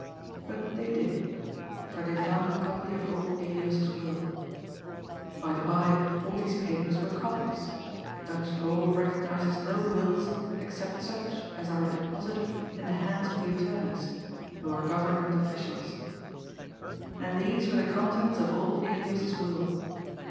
But they did. For they found a copy of old Elias's will. By the bye, all these papers were copies. Dutch law recog nizes no wills except such as are deposited in the hands of the attorneys, who are Government ofiicials. And these were the contents of old Elias's will.